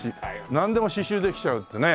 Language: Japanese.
なんでも刺繍できちゃうってね。